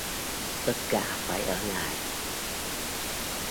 tất cả phải ở lại